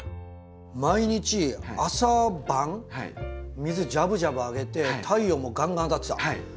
毎日朝晩水ジャブジャブあげて太陽もガンガン当たってた。